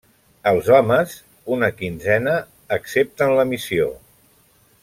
Els homes, una quinzena, accepten la missió.